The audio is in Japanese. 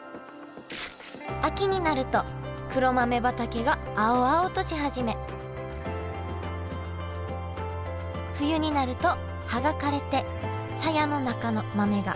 秋になると黒豆畑が青々とし始め冬になると葉が枯れてさやの中の豆が黒く熟します。